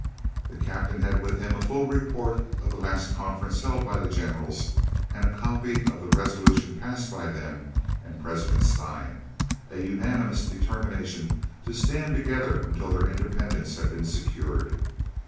The Captain had with him a full report of the last conference held by the generals, and a copy of the resolution passed by them and President Steyn, a unanimous determination to stand together until their independence had been secured.